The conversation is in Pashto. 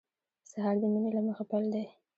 سهار د مینې له مخې پیل دی.